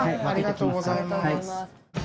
ありがとうございます。